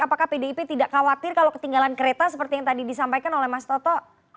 apakah pdip tidak khawatir kalau ketinggalan kereta seperti yang tadi disampaikan oleh mas toto